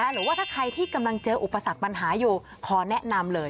หรือว่าถ้าใครที่กำลังเจออุปสรรคปัญหาอยู่ขอแนะนำเลย